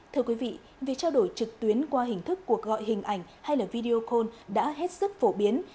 thưa quý vị việc trao đổi trực tuyến qua hình thức cuộc gọi hình ảnh hay là video call đã hết sức phổ biến